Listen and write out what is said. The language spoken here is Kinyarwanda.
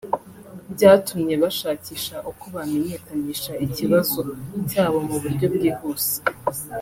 byatumye bashakisha uko bamenyekanisha ikibazo cyabo mu buryo bwihuse